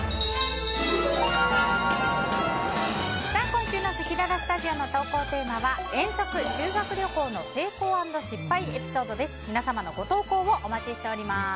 今週のせきららスタジオの投稿テーマは遠足＆修学旅行の成功＆失敗エピソードです。